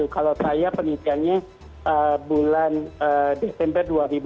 kalau saya penelitiannya bulan desember dua ribu dua puluh